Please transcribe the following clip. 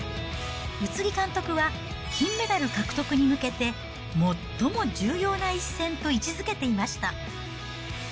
宇津木監督は金メダル獲得に向けて、最も重要な一戦と位置づけていました。